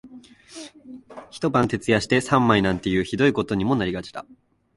一晩徹夜して三枚なんていう酷いことにもなりがちだ